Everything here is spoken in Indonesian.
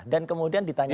dan kemudian ditanyakan